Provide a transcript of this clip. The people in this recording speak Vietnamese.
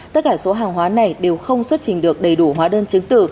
tất cả số hàng hóa này đều không xuất trình được đầy đủ hóa đơn chứng tử